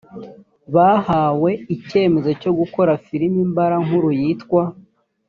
bahawe icyemezo cyo gukora filimi mbarankuru yitwa